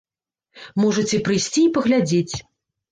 Можаце прыйсці і паглядзець.